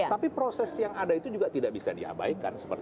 tapi proses yang ada itu juga tidak bisa diabaikan